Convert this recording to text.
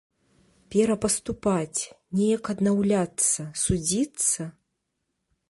Перапаступаць, неяк аднаўляцца, судзіцца?